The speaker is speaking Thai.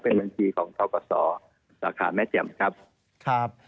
เป็นบัญชีของเทาะกสสาขาแม่เจมส์ครับ